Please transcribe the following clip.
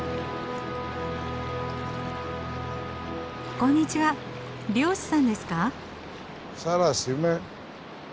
こんにちは漁師さんですか？